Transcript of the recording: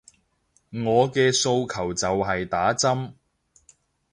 我嘅訴求就係打針